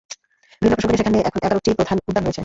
ভিন্ন প্রসঙ্গ নিয়ে সেখানে এখন এগারোটি প্রধান উদ্যান রয়েছে।